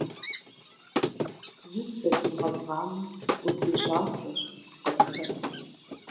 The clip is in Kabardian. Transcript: Уигу зэдмыгъэбгъамэ, удищӀасэщ, къытхэс.